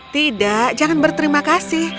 tidak jangan berterima kasih